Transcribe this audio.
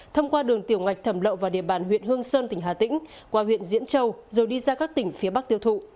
thông qua đường tiểu ngạch thẩm lậu vào địa bàn huyện hương sơn tỉnh hà tĩnh qua huyện diễn châu rồi đi ra các tỉnh phía bắc tiêu thụ